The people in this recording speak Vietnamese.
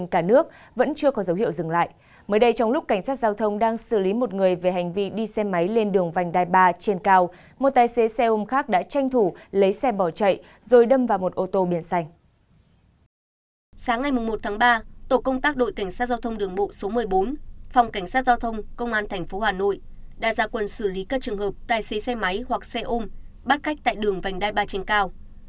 tổ công tác đội cảnh sát giao thông đường bộ số một mươi bốn phòng cảnh sát giao thông công an tp hà nội đã ra quần xử lý các trường hợp tài xế xe máy hoặc xe ôm bắt khách tại đường vành đai ba trên cao